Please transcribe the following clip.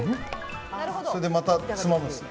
それでまたつまむんです。